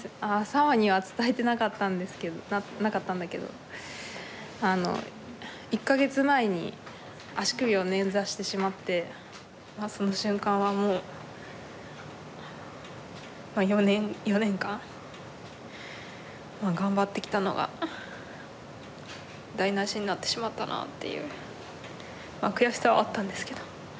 サンファには伝えてなかったんだけどあの１か月前に足首を捻挫してしまってその瞬間はもう４年間頑張ってきたのが台なしになってしまったなっていう悔しさはあったんですけど。